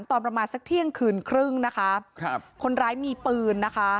ตอนประมาณสักเที่ยงคืนครึ่งนะคะครับคนร้ายมีปืนนะคะ